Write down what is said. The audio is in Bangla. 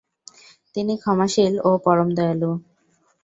তিনি ক্ষমাশীল ও পরম দয়ালু।